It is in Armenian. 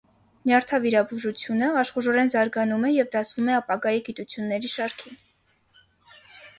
Ժամանակակից նյարդավիրաբուժությունը աշխուժորեն զարգանում է և դասվում է ապագայի գիտություներրի շարքին։